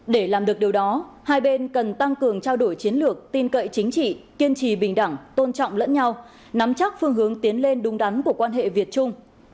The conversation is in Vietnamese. để làm được điều đó hai bên cần tăng cường trao đổi chiến lược tin cậy chính trị kiên trì bình đẳng tôn trọng lẫn nhau nắm chắc phương hướng tiến lên đúng đắn của quan hệ việt trung